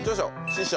「師匠！